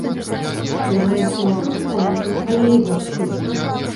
Займаецца не толькі помнікам, але і вёскай.